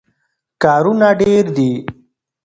کارونه ډېر دي.